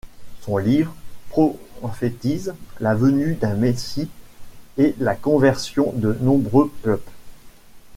Son livre prophétise la venue d'un Messie et la conversion de nombreux peuples.